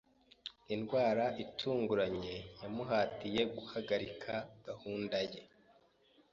Indwara itunguranye yamuhatiye guhagarika gahunda ye.